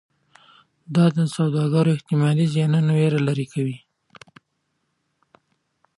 دا د سوداګرو احتمالي زیانونو ویره لرې کوي.